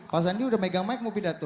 pak sandi sudah injust mau pindah itu